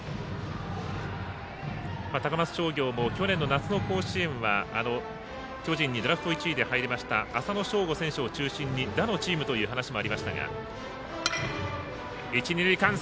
高松商業も去年の夏の甲子園は巨人にドラフト１位で入りました浅野翔吾選手を中心に打のチームという話もありましたが。